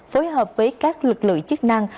phối hợp với các lực lượng chức năng